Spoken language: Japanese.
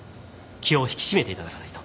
気を引き締めて頂かないと。